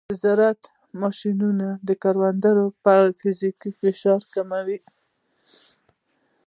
د زراعت ماشینونه د کروندګرو فزیکي فشار کموي.